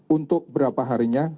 untuk berapa harinya